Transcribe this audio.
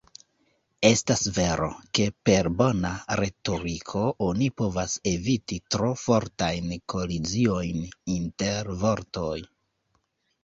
Estas vero, ke per bona retoriko oni povas eviti tro fortajn koliziojn inter vortoj.